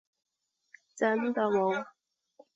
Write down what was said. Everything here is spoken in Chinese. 真的喔！